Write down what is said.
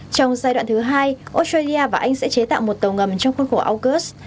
trong giai đoạn thứ hai australia và anh sẽ chế tạo một tàu ngầm trong khuôn khổ aukus